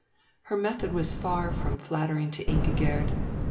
Her method was far from flattering to Ingigerd.